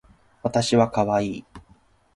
わたしはかわいい